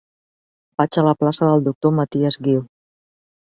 Vaig a la plaça del Doctor Matias Guiu.